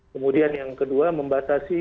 kemudian yang kedua membatasi